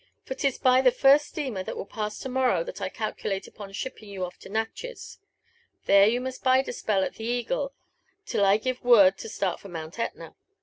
For 'tis by the first steamer that will pass to morrow that I calculate upon shipping you o(T to Natchez. There you must bide a spell at the Eagle, till I give the word to start for Mount Etna.